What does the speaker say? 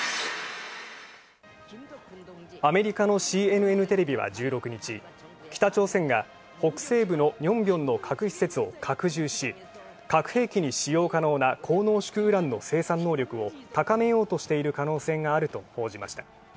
アメリカのＣＮＮテレビは１６日北朝鮮が北西部のニョンビョンの核施設を拡充し核兵器に使用可能な高濃縮ウランの生産能力を高めようとしている可能性があると報じました。